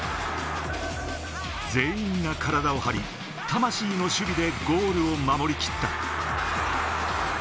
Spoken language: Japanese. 全員が体を張り、魂の守備でゴールを守りきった。